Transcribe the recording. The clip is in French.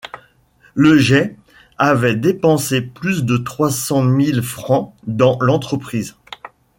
Lejay avait dépensé plus de trois cent mille francs dans l'entreprise.